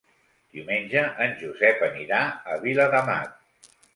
Diumenge en Josep anirà a Viladamat.